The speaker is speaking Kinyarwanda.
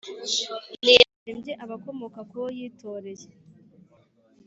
ntiyatsembye abakomoka ku uwo yitoreye,